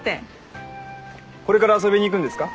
これから遊びに行くんですか？